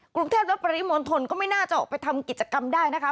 กรุงเทพและปริมณฑลก็ไม่น่าจะออกไปทำกิจกรรมได้นะคะ